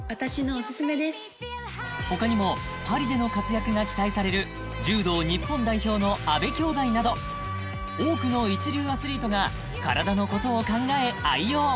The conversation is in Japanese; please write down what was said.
他にもパリでの活躍が期待される柔道日本代表の阿部兄妹など多くの一流アスリートが体のことを考え愛用